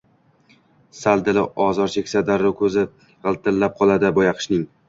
Sal dili ozor cheksa, darrov koʼzi gʼiltillab qoladi boyaqishning.